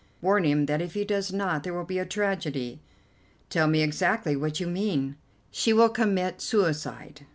Warn him that if he does not there will be a tragedy." "Tell me exactly what you mean." "She will commit suicide."